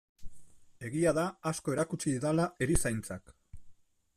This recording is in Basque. Egia da asko erakutsi didala erizaintzak.